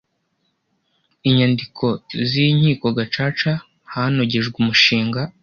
inyandiko z Inkiko Gacaca hanogejwe umushinga